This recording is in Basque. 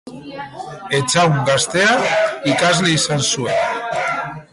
Etxahun gaztea ikasle izan zuen.